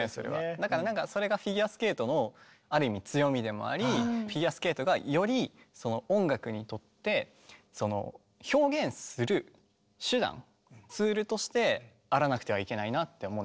だからそれがフィギュアスケートのある意味強みでもありフィギュアスケートがより音楽にとって表現する手段ツールとしてあらなくてはいけないなって思うんですよね。